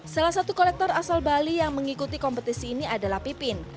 salah satu kolektor asal bali yang mengikuti kompetisi ini adalah pipin